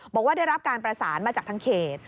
บอกว่าได้รับการประสานมาจากทางเขต